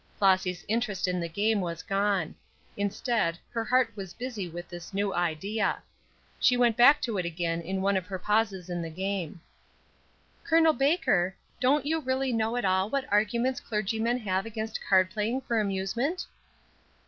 Flossy's interest in the game was gone; instead, her heart was busy with this new idea. She went back to it again in one of her pauses in the game. "Col. Baker, don't you really know at all what arguments clergymen have against card playing for amusement?"